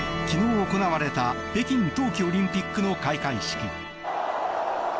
昨日行われた北京冬季オリンピックの開会式。